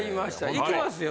いきますよ